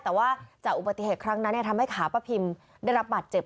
แต่ว่าจากอุบัติเหตุครั้งนั้นทำให้ขาป้าพิมได้รับบาดเจ็บ